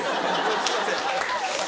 すいません。